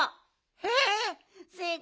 えっ！